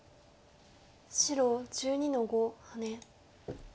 白１２の五ハネ。